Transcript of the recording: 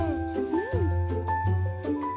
うん。